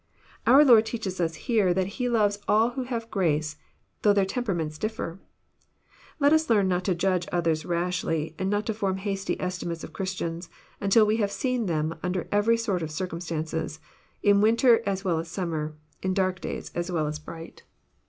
Our Lord teaches us here that He loves all who have grace, though their temperaments differ. Xet us learn not to Judge others rashly, and not to form hasty estimates of Christians, until we have seen them under every sort of circumstances, in winter as well as summer, in dark days as well as bright.